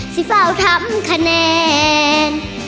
สิเฝ้าทำคะแนน